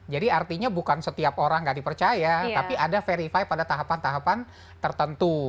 jadi artinya bukan setiap orang nggak dipercaya tapi ada verify pada tahapan tahapan tertentu